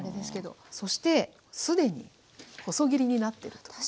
そして既に細切りになってると。